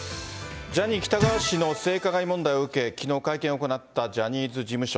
ジャニー喜多川氏の性加害問題を受け、きのう会見を行ったジャニーズ事務所。